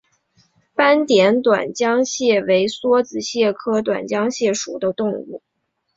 斑点短浆蟹为梭子蟹科短浆蟹属的动物。